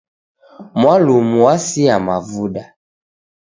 Mwalumu wasia mavuda.